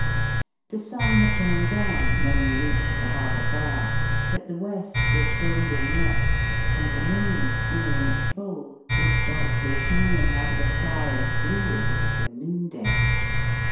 The sun had gone down when we reached the harbour bar, but the west was golden yet, and the moon, nearing its full, was brightly shining out of a sky as blue as if it were noon day.